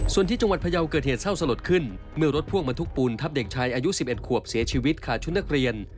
ส่วนที่จังหวัดพยาวเกิดเหตุเศร้าสลดขึ้นเมื่อรถพ่วงมาทุกปูนทับเด็กชายอายุ๑๑ขวบเสียชีวิตขาดชุดนักเรียน